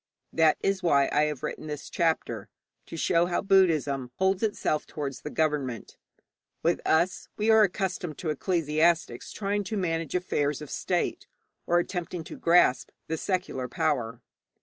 That is why I have written this chapter, to show how Buddhism holds itself towards the government. With us, we are accustomed to ecclesiastics trying to manage affairs of state, or attempting to grasp the secular power.